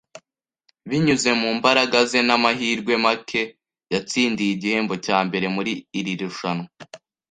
Binyuze mu mbaraga ze n'amahirwe make, yatsindiye igihembo cya mbere muri iri rushanwa